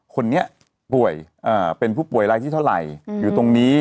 คนนี้ป่วยเป็นผู้ป่วยรายที่เท่าไหร่อยู่ตรงนี้